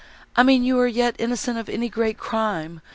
I mean you are yet innocent of any great crime!